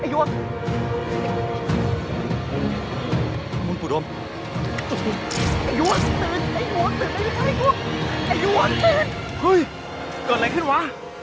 เฮ้ยเกิดอะไรขึ้นวะ